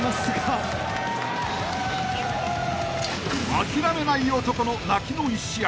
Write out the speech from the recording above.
［諦めない男の泣きの１試合］